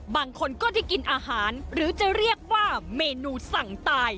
บางคนก็ได้กินอาหารหรือจะเรียกว่าเมนูสั่งตาย